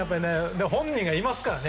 でも、本人がいますからね。